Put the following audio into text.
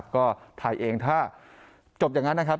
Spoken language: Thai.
ก็ไทยเองถ้าจบอย่างนั้นนะครับ